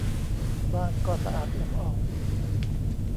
บ้านก็สะอาดเอี่ยมอ่อง